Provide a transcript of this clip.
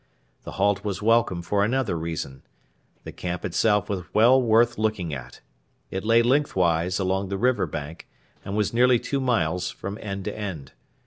The halt was welcome for another reason. The camp itself was well worth looking at. It lay lengthways along the river bank, and was nearly two miles from end to end.